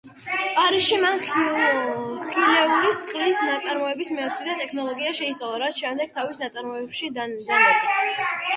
პარიზში მან ხილეულის წყლის წარმოების მეთოდი და ტექნოლოგია შეისწავლა, რაც შემდეგ თავის წარმოებაში დანერგა.